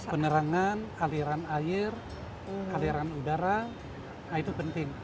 penerangan aliran air aliran udara nah itu penting